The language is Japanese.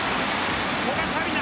古賀紗理那！